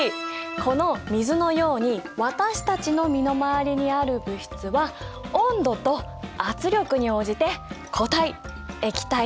この水のように私たちの身の回りにある物質は温度と圧力に応じて固体液体気体のいずれかの状態をとる。